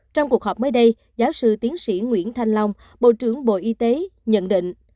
trong cuộc họp mới đây giáo sư tiến sĩ nguyễn thanh long bộ trưởng bộ y tế nhận định